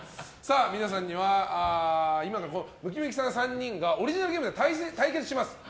皆さんには今からムキムキさん３人がオリジナルゲームで対戦します。